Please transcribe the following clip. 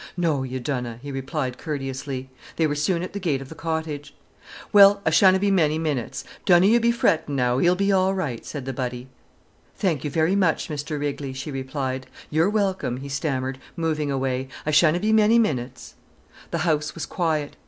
"No, you dunna!" he replied courteously. They were soon at the gate of the cottage. "Well, I shanna be many minnits. Dunna you be frettin' now, 'e'll be all right," said the butty. "Thank you very much, Mr Rigley," she replied. "You're welcome!" he stammered, moving away. "I shanna be many minnits." The house was quiet.